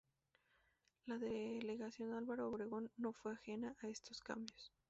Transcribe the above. La Delegación Álvaro Obregón no fue ajena a estos cambios.